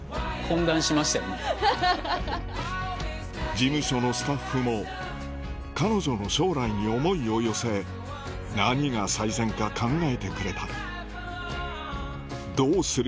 事務所のスタッフも彼女の将来に思いを寄せ何が最善か考えてくれたどうする？